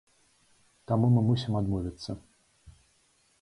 Таму мы мусім адмовіцца.